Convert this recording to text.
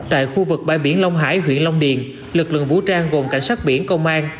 tại khu vực bãi biển long hải huyện long điền lực lượng vũ trang gồm cảnh sát biển công an